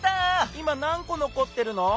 いまなんこのこってるの？